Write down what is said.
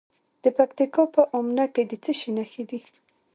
د پکتیکا په اومنه کې د څه شي نښې دي؟